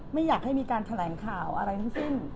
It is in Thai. ไม่อยากให้มีการแถลงข่าวอะไรทั้งสิ้น